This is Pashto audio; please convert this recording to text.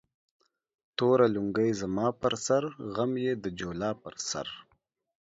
توره لنگۍ زما پر سر ، غم يې د جولا پر سر